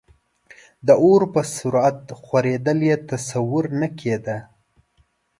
د اور په سرعت خورېدل یې تصور نه کېده.